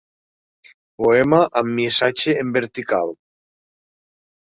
Poema amb missatge en vertical.